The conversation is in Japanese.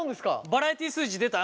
バラエティー数字出た？